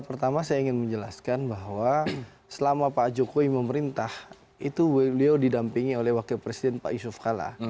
pertama saya ingin menjelaskan bahwa selama pak jokowi memerintah itu beliau didampingi oleh wakil presiden pak yusuf kalla